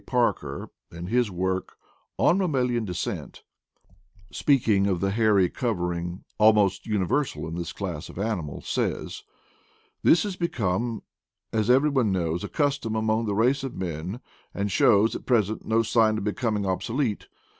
Parker, in his work On Mam median Descent, speaking of the hairy covering al most universal in this class of animals, says: "This has become, as every one knows, a custom among the race of men, and shows, at present, no 218 IDLE DAYS IN PATAGONIA sign of becoming obsolete.